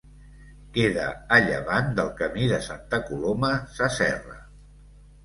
Queda a llevant del Camí de Santa Coloma Sasserra.